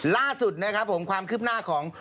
ล่าสุดนะครับผมความคืบหน้าของ